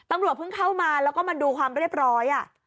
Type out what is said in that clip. เพิ่งเข้ามาแล้วก็มาดูความเรียบร้อย